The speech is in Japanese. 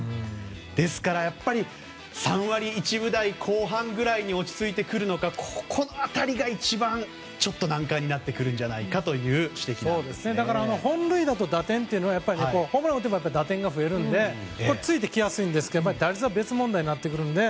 ですからやっぱり３割１分代後半くらいに落ち着いてくるのかこの辺りが一番難関になってくるんじゃという本塁打と打点はやっぱりホームランを打てば打点が増えるのでついてきやすいんですけど打率は別問題になってくるので。